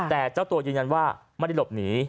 แต่เจ้าตัวยืนยันว่าไม่ได้หลบหนี